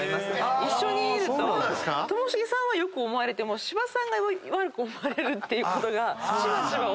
一緒にいるとともしげさんは良く思われても芝さんが悪く思われるってことがしばしば多いです。